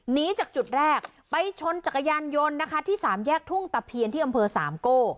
หนีจากจุดแรกไปชนจักรยานยนต์นะคะที่สามแยกทุ่งตะเพียนที่อำเภอสามโก้